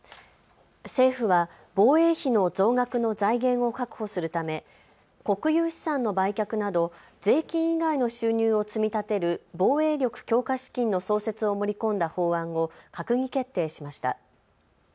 政府は防衛費の増額の財源を確保するため国有資産の売却など税金以外の収入を積み立てる防衛力強化資金の創設を盛り込んだ法案を閣議決定しました。